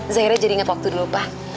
zaira jadi inget waktu dulu pa